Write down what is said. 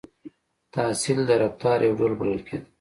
• تحصیل د رفتار یو ډول بلل کېده.